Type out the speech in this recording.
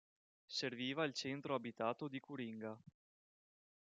Serviva il centro abitato di Curinga.